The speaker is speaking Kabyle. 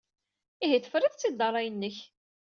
Ihi, tefriḍ-tt-id ed ṛṛay-nnek?